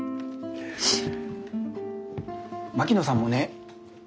槙野さんもね。